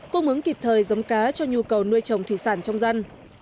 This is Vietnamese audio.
cung ứng kịp thời giống cá cho nhu cầu nuôi trồng thủy sản trong dân